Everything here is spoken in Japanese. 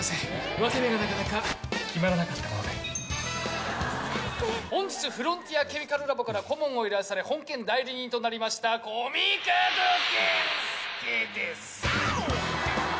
「分け目がなかなか決まらなかったもので」「先生」「本日フロンティアケミカルラボから顧問を依頼され本件代理人となりました古美門研介です」